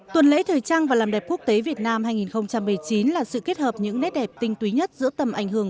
tuần lễ thời trang và làm đẹp quốc tế việt nam hai nghìn một mươi chín là sự kết hợp những nét đẹp tinh túy nhất giữa tầm ảnh hưởng